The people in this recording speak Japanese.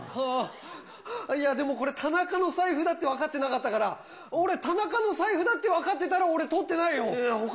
いやでも、これ、田中の財布だって分かってなかったから、俺、田中の財布だって分かってたら、俺、とってないよ。